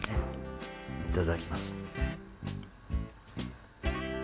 いただきます。